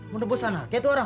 menembus anaknya itu orang